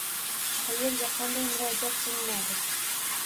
Qayerga qanday murojaat qilinadi?